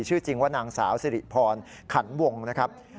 ชื่อจริงว่านางสาวสิริพรขันวงนะครับ